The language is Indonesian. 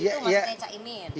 itu maksudnya cak imin